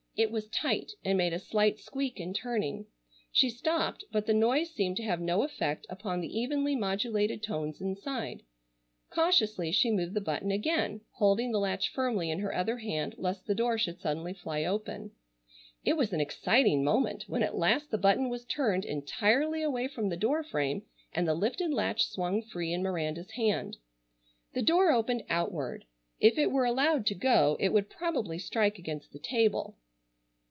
It was tight and made a slight squeak in turning. She stopped but the noise seemed to have no effect upon the evenly modulated tones inside. Cautiously she moved the button again, holding the latch firmly in her other hand lest the door should suddenly fly open. It was an exciting moment when at last the button was turned entirely away from the door frame and the lifted latch swung free in Miranda's hand. The door opened outward. If it were allowed to go it would probably strike against the table.